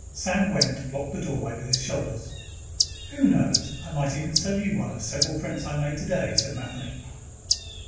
Sam Wendt blocked the doorway with his shoulders. "Who knows, I might even sell you one of the several prints I made today," said Matheny.